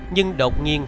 nhưng đột nhiên